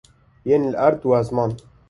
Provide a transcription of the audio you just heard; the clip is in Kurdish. Yên li erd û li ezman.